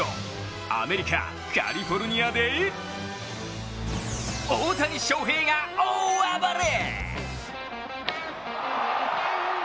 アメリカ・カリフォルニアで大谷翔平が大暴れ！